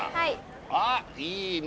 あっいいね